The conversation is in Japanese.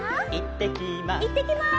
「いってきます」